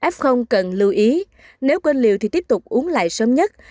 f cần lưu ý nếu quên liều thì tiếp tục uống lại sớm nhất